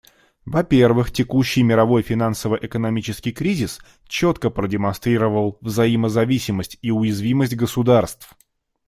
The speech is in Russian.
Во-первых, текущий мировой финансово-экономический кризис четко продемонстрировал взаимозависимость и уязвимость государств.